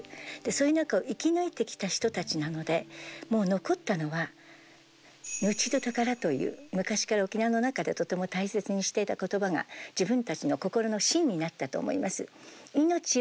そういう中を生き抜いてきた人たちなのでもう残ったのは命どぅ宝という昔から沖縄の中でとても大切にしていた言葉が自分たちの心のしんになったと思います。